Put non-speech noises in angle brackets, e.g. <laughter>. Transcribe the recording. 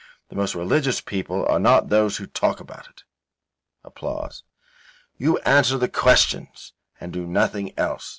The most religious people are not those who talk about it. <applause> You answer the questions and do nothing else."